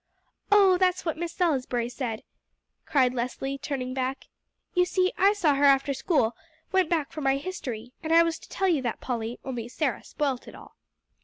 "Oh, that's what Miss Salisbury said," cried Leslie, turning back. "You see, I saw her after school went back for my history and I was to tell you that, Polly; only Sarah spoilt it all."